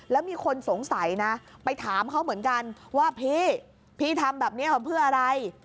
แล้วมีคนสงสัยนะไปถามเขาเหมือนกันว่าพี่พี่ทำแบบนี้เพื่ออะไร